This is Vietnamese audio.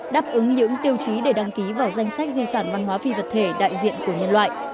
đáp ứng những tiêu chí để đăng ký vào danh sách di sản văn hóa phi vật thể đại diện của nhân loại